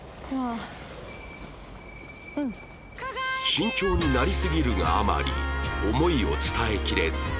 慎重になりすぎるがあまり思いを伝えきれず